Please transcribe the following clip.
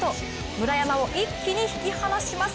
村山を一気に引き離します。